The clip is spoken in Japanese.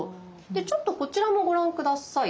でちょっとこちらもご覧下さい。